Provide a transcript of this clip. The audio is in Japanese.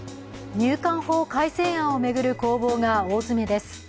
入管法改正案を巡る攻防が大詰めです。